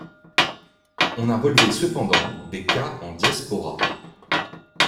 On a relevé cependant des cas en diaspora.